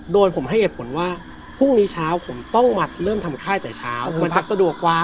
โดยผมให้เหตุผลว่าพรุ่งนี้เช้าผมต้องมาเริ่มทำค่ายแต่เช้ามาพักสะดวกกว่า